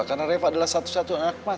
karena reva adalah satu satunya anak mas